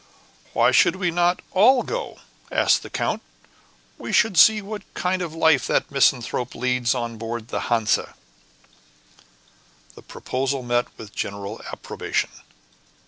"Why should we not all go?" asked the count; "we should see what kind of a life the misanthrope leads on board the Hansa." The proposal met with general approbation.